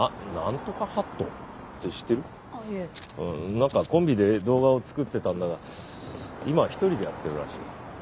なんかコンビで動画を作ってたんだが今は一人でやってるらしい。